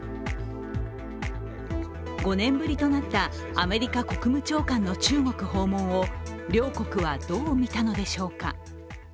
５年ぶりとなったアメリカ国務長官の中国訪問を両国は、どう見たのでしょうか。